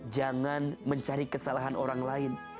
jangan mencari kesalahan orang lain